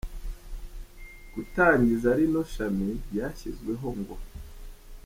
gutangiza rino shami, ryashyizweho ngo.